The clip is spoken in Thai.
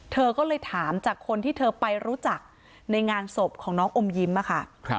เธอก็เลยถามจากคนที่เธอไปรู้จักในงานศพของน้องอมยิ้มค่ะ